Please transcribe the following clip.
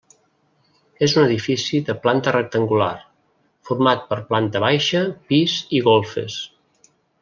És un edifici de planta rectangular, format per planta baixa, pis i golfes.